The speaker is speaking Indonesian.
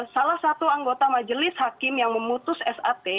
salah satu anggota majelis hakim yang memutus sat